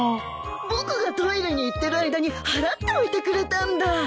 僕がトイレに行ってる間に払っておいてくれたんだ。